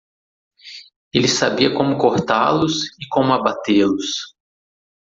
Ele sabia como cortá-los e como abatê-los.